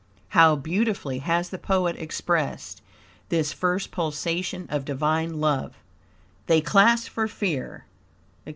How beautifully has the poet expressed this first pulsation of Divine love: "They clasp for fear," etc.